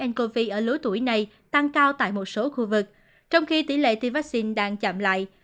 ncov ở lứa tuổi này tăng cao tại một số khu vực trong khi tỷ lệ tiêm vaccine đang chậm lại